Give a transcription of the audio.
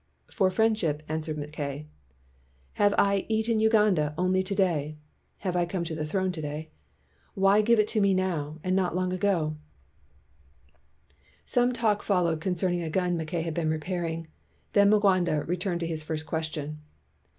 "For friendship," answered Mackay. "Have I 'eaten Uganda' only to day (Have I come to the throne to day) ? Why give it to me now, and not long ago %'' Some talk followed concerning a gun Mackay had been repairing. Then Mwanga returned to his first question.